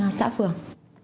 ở các xã phường